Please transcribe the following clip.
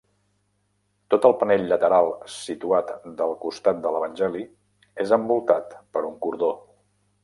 Tot el panell lateral situat del costat de l'Evangeli és envoltat per un cordó.